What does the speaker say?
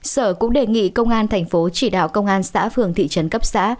sở cũng đề nghị công an thành phố chỉ đạo công an xã phường thị trấn cấp xã